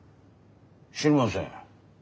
知りません。